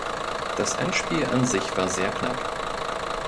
Das Endspiel an sich war sehr knapp.